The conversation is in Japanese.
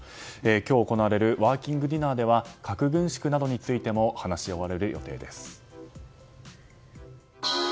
今日行われるワーキングディナーでは核軍縮などについても話し合われる予定です。